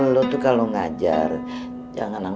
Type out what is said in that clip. lu tuh kalau ngajar jangan nangis